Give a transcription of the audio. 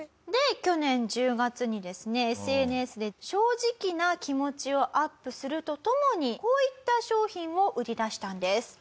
で去年１０月にですねＳＮＳで正直な気持ちをアップするとともにこういった商品を売り出したんです。